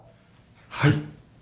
はい！